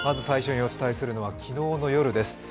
最初にお伝えするのは昨日の夜です。